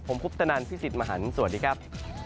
ผมคุปตนันพี่สิทธิ์มหันฯสวัสดีครับ